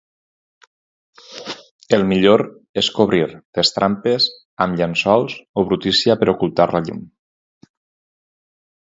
El millor és cobrir les trampes amb llençols o brutícia per ocultar la llum.